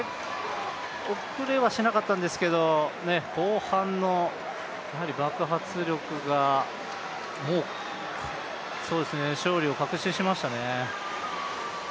遅れはしなかったんですけれども、後半の爆発力が勝利を確信しましたね。